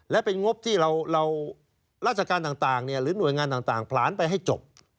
และเป็นงบที่เราเราราชการต่างต่างเนี่ยหรือหน่วยงานต่างต่างผลานไปให้จบ